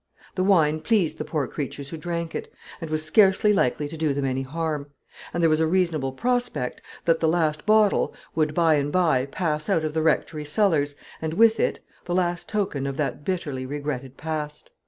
The wine pleased the poor creatures who drank it, and was scarcely likely to do them any harm; and there was a reasonable prospect that the last bottle would by and by pass out of the rectory cellars, and with it the last token of that bitterly regretted past.